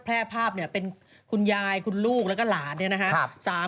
แพร่ภาพเนี่ยเป็นคุณยายคุณลูกแล้วก็หลานเนี่ยนะฮะ